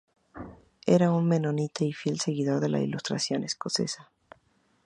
Era un menonita y fiel seguidor de la Ilustración escocesa.